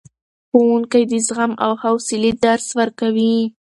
ښوونکي د زغم او حوصلې درس ورکوي.